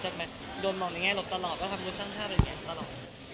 ก็จะมันโดนหมองในแง่หลบตลอดก็ทำกรุณสร้างภาพอะไรอย่างเงี้ยตลอด